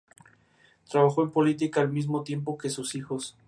Trabajó en política al mismo tiempo que sus hijos.